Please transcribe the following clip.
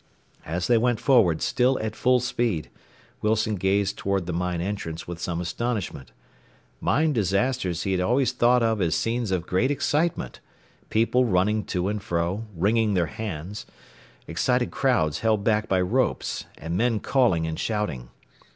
As they went forward, still at full speed, Wilson gazed toward the mine entrance with some astonishment. Mine disasters he had always thought of as scenes of great excitement people running to and fro, wringing their hands, excited crowds held back by ropes, and men calling and shouting.